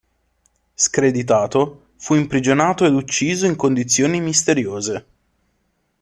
Screditato, fu imprigionato ed ucciso in condizioni misteriose.